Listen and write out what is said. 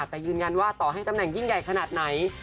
แต่ยืนยันว่าต่อให้ตำแหน่งยิ่งใหญ่ขนาดไหน